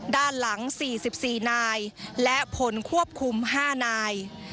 ด้านหลัง๔๔นายและผลควบคุม๕นาย